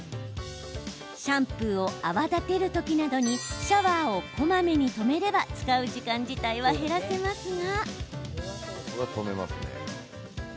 シャンプーを泡立てる時などにシャワーをこまめに止めれば使う時間自体は減らせますが。